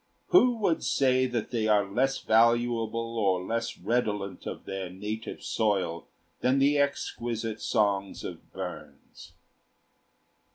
Who would say that they are less valuable or less redolent of their native soil than the exquisite songs of Burns?"